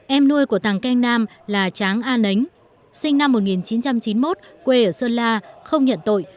em nuôi của tàng cang nam là tráng a nánh sinh năm một nghìn chín trăm chín mươi một quê ở sơn la không nhận tội